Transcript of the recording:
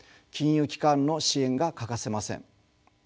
金融機関の支援が欠かせません。